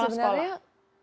sebenarnya ada beberapa hal